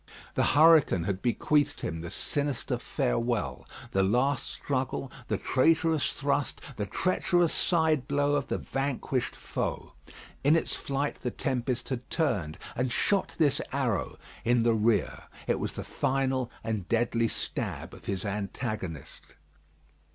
The hurricane had bequeathed him this sinister farewell. The last struggle, the traitorous thrust, the treacherous side blow of the vanquished foe. In its flight the tempest had turned and shot this arrow in the rear. It was the final and deadly stab of his antagonist.